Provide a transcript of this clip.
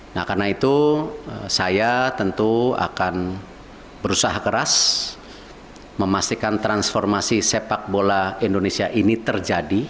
nah karena itu saya tentu akan berusaha keras memastikan transformasi sepak bola indonesia ini terjadi